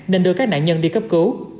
nên đưa các nạn nhân đi cấp cứu